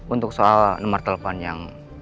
untuk soal nomor telepon yang